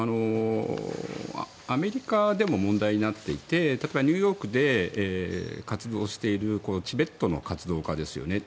アメリカでも問題になっていて例えばニューヨークで活動しているチベットの活動家ですね。